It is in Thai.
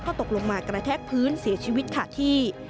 ตกลงมากระแทกพื้นเสียชีวิตขาดที่